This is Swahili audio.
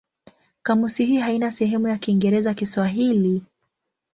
Kamusi hii haina sehemu ya Kiingereza-Kiswahili.